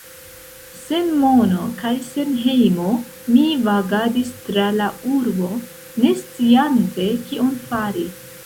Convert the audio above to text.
Sen mono kaj sen hejmo mi vagadis tra la urbo, ne sciante kion fari...